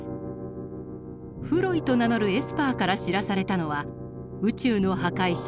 フロイと名乗るエスパーから知らされたのは宇宙の破壊者